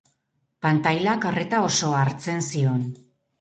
Pantailak arreta osoa hartzen zion.